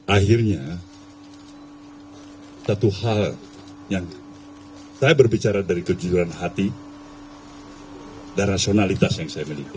akhirnya satu hal yang saya berbicara dari kejujuran hati dan rasionalitas yang saya miliki